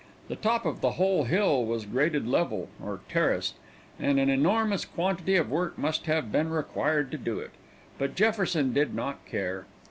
The top of the whole hill was graded level, or terraced, and an enormous quantity of work must have been required to do it, but Jefferson did not care.